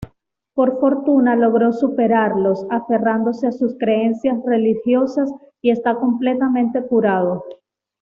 Por fortuna, logró superarlos, aferrándose a sus creencias religiosas y está completamente curado.